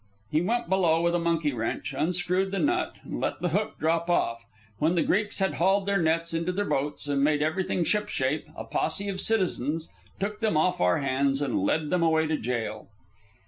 He went below with a monkey wrench, unscrewed the nut, and let the hook drop off. When the Greeks had hauled their nets into their boats and made everything ship shape, a posse of citizens took them off our hands and led them away to jail.